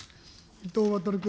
伊藤渉君。